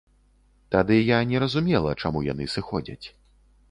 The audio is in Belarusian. Тады я не разумела, чаму яны сыходзяць.